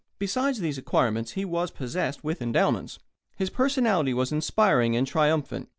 Besides these acquirements he was possessed with endowments. His personality was inspiring and triumphant.